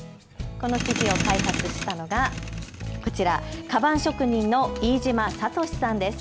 この生地を開発したのが、こちらかばん職人の飯島暁史さんです。